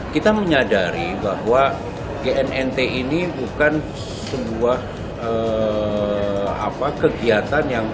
kita menyadari bahwa gmnt ini bukan sebuah kegiatan yang